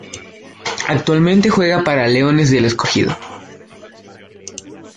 Actualmente juega para los Leones del Escogido.